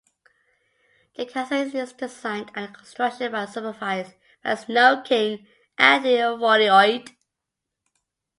The castle is designed and the construction is supervised by Snowking, Anthony Foliot.